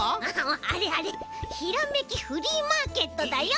あれあれひらめきフリーマーケットだよ。